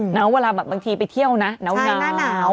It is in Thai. แล้วเวลาบางทีไปเที่ยวนะนาว